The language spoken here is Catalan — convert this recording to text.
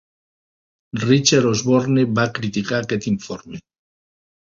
Richard Osborne va criticar aquest informe.